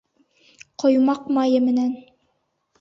Ҡоймаҡ майы менән.